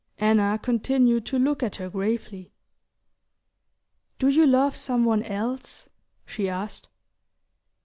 Anna continued to look at her gravely. "Do you love some one else?" she asked.